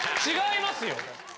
違いますよ。